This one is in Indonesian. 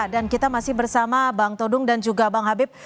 dan kita masih bersama bang todung dan juga bang habib